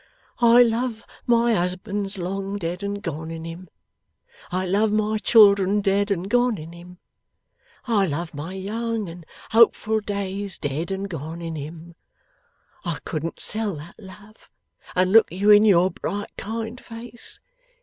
I love my husband long dead and gone, in him; I love my children dead and gone, in him; I love my young and hopeful days dead and gone, in him. I couldn't sell that love, and look you in your bright kind face.